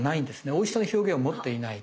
おいしさの表現を持っていない。